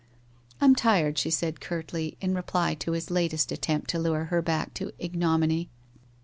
'I'm tired/ she said curtly, in reply to his latest at tempt to lun her baek to ignominy.